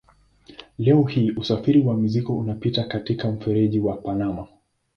Leo hii usafiri wa mizigo unapita katika mfereji wa Panama.